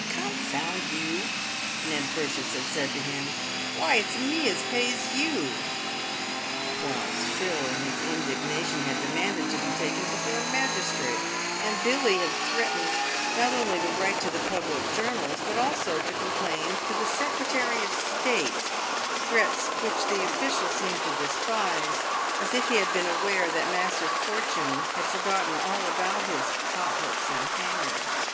" Confound you!" Ned Purchase had said to him, "why it's me as pays you ;" whilst Phil, in his indignation, had demanded to be taken before a magistrate ; and Billy had threatened, not only to write to the public journals, but also to complain to the Secretary of State — threats which the official seemed to despise, as if he had been aware that Master Fortune had forgotten all about his "pothooks and hangers."